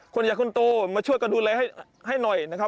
คนใหญ่คนโตมาช่วยกันดูแลให้หน่อยนะครับ